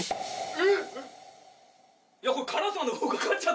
えっ？